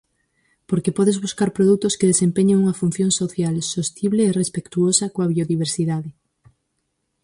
Porque podes buscar produtos que desempeñen unha función social, sostible e respectuosa coa biodiversidade.